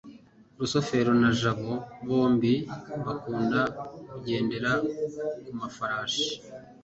rusufero na jabo bombi bakunda kugendera ku mafarashi